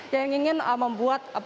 yang ingin membuat